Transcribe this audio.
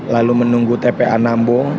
lalu menunggu tpa nambung